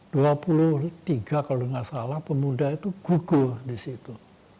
dua puluh tiga kalau tidak salah pemuda itu gugur di situ